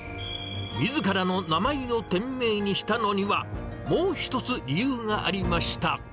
みずからの名前を店名にしたのには、もう一つ理由がありました。